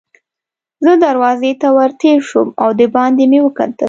زه دروازې ته ور تېر شوم او دباندې مې وکتل.